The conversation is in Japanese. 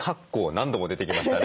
何度も出てきましたね。